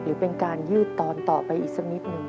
หรือเป็นการยืดตอนต่อไปอีกสักนิดหนึ่ง